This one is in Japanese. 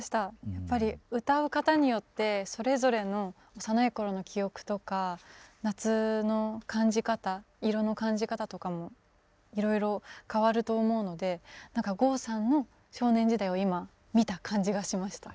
やっぱり歌う方によってそれぞれの幼い頃の記憶とか夏の感じ方色の感じ方とかもいろいろ変わると思うので何か郷さんの少年時代を今見た感じがしました。